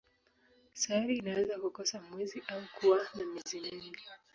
Sayari inaweza kukosa mwezi au kuwa na miezi mingi.